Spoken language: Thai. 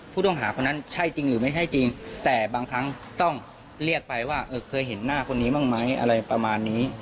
ผู้ต้องหาคนนั้นใช่จริงหรือไม่ใช่จริงแต่บางครั้งต้องเรียกไปว่าเคยเห็นหน้าคนนี้บ้างไหมอะไรประมาณนี้